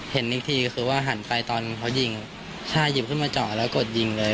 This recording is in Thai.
เห็นอีกทีก็คือว่าหันไปตอนเขายิงใช่หยิบขึ้นมาเจาะแล้วกดยิงเลย